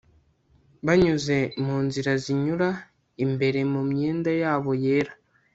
banyuze munzira zinyura imbere mumyenda yabo yera